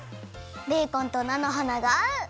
ベーコンとなのはながあう！